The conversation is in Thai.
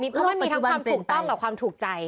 เพราะมันมีทั้งความถูกต้องกับความถูกใจ